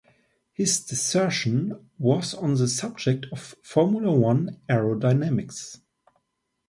His dissertation was on the subject of Formula One aerodynamics.